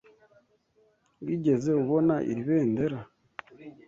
Wigeze ubona iri bendera?